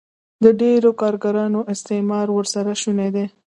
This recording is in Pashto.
د ډېرو کارګرانو استثمار ورسره شونی دی